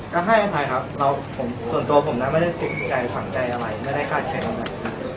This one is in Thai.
ก็ให้อภัยครับส่วนตัวผมไม่ได้เก็บใจฟังใจอะไรไม่ได้คาดแข็งอะไร